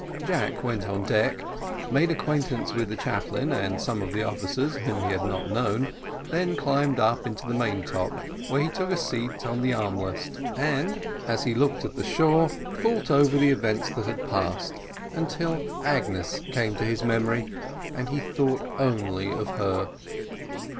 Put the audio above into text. Jack went on deck, made acquaintance with the chaplain and some of the officers whom he had not known, then climbed up into the maintop, where he took a seat on the armolest, and, as he looked at the shore, thought over the events that had passed, until Agnes came to his memory, and he thought only of her.